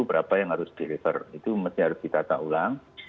berapa yang harus deliver itu mesti harus ditata ulang